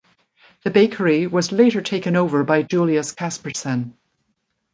The bakery was later taken over by Julius Caspersen.